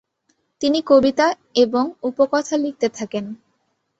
তিনি কবিতা এবং উপকথা লিখতে থাকেন।